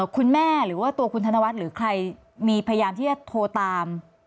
คุณแม่หรือทันนวัดหรือใครมีพยายามที่โทรตาม